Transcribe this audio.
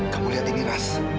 kamu lihat ini ras